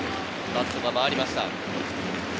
バットが回りました。